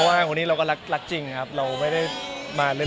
แฟนข์แต่เราก็รักจริงครับเราไม่ได้มาเล่น